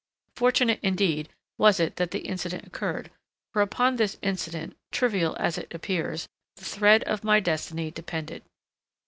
Fortunate, indeed, was it that the incident occurred—for, upon this incident, trivial as it appears, the thread of my destiny depended.